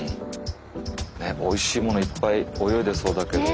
おいしいものいっぱい泳いでそうだけど。